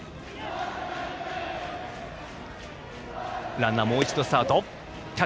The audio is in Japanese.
ランナーもう一度スタート。